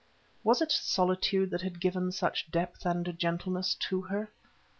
Was it solitude that had given such depth and gentleness to her?